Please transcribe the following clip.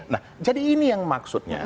nah jadi ini yang maksudnya